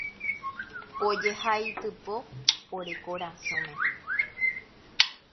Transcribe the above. ojehaitypo ore korasõme